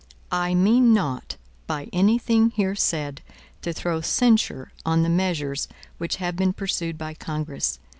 I mean not, by any thing here said, to throw censure on the measures which have been pursued by Congress.